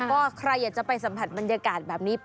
ก็ใครอยากจะไปสัมผัสบรรยากาศแบบนี้